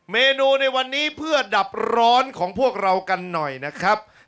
เมนูในวันนี้เพื่อดับร้อนของพวกเรากันหน่อยนะครับ